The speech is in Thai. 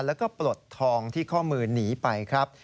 แล้วก็ปลดทองที่ข้อมือหนีไปครับ